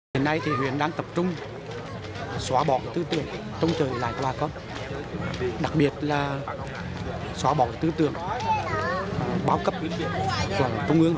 hôm nay thì huyện đang tập trung xóa bỏ tư tư